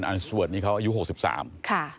ที่แทนเมาวังต้องการ